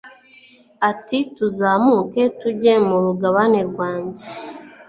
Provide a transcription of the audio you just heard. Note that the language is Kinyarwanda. ati tuzamuke tujye mu mugabane wanjye